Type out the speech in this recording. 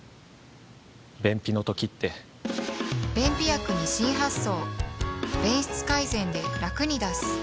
便秘の時って便秘薬に新発想